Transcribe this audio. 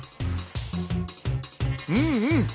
うんうん。